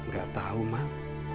gak tau mak